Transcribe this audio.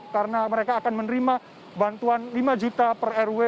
karena mereka akan menerima bantuan miskin dan bantuan sosial yang diperlukan oleh perusahaan